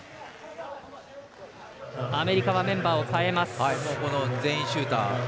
アメリカはメンバー代えます。